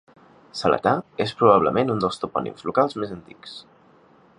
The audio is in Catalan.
Seletar és probablement un dels topònims locals més antics.